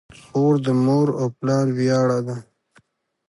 خور د مور او پلار ویاړ ده.